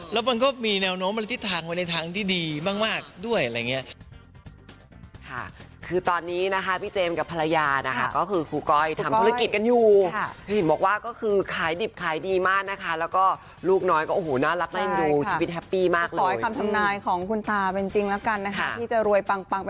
แล้วมันก็มีแนวโน้มมันทิศทางไว้ในทางที่ดีมากด้วยอะไรอย่างนี้